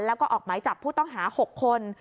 แล้วก็ออกหมายจับผู้ต้องหา๖คน